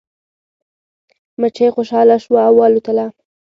مچۍ خوشحاله شوه او والوتله.